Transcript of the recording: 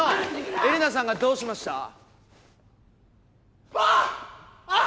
エレナさんがどうしました？あっ！